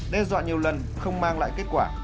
đe dọa nhiều lần không mang lại kết quả